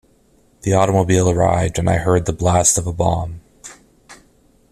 The automobile arrived and I heard the blast of a bomb.